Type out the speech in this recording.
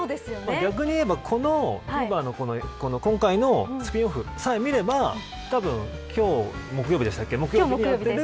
逆に言えば今回のスピンオフさえ見ればたぶん今日、木曜日でしたっけ